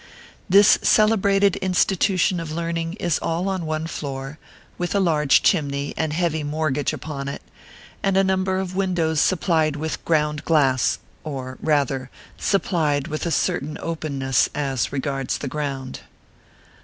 This celebrated institution of learning is all on one floor, with a large chimney and heavy mortgage upon it, and a number of windows supplied with ground glass or, rather, supplied with a certain openness as regards the ground.